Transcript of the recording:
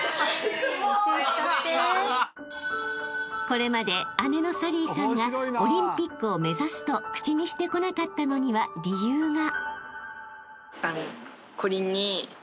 ［これまで姉の紗鈴依さんがオリンピックを目指すと口にしてこなかったのには理由が］